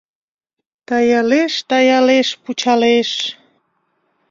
Таялеш, таялеш, пучалеш;